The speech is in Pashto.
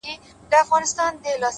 مجاهد د خداى لپاره دى لوېــدلى”